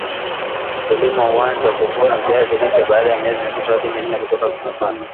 mkulima huanza kuvuna viazi lishe baada ya miezi mitatu hadi minne toka vimepandwa